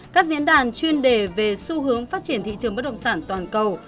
các diễn đàn chuyên đề về xu hướng phát triển thị trường bất động sản toàn cầu